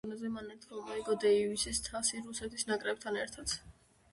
სანაკრებო დონეზე, მან ერთხელ მოიგო დეივისის თასი რუსეთის ნაკრებთან ერთად.